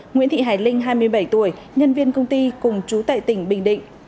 nguyễn thị hải linh hai mươi bảy tuổi nhân viên công ty cùng chú tại tỉnh bình định